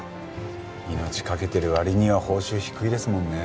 命懸けてる割には報酬低いですもんね。